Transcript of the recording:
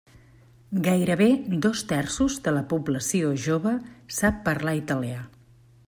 Gairebé dos terços de la població jove sap parlar italià.